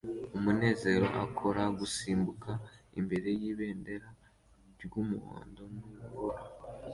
Umunezero akora gusimbuka imbere yibendera ry'umuhondo n'ubururu